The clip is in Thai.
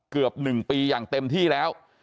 เกือบ๑ปีอย่างเต็มที่แล้ว